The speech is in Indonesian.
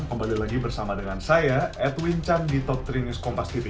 kembali lagi bersama dengan saya edwin chan di talk tiga news kompastv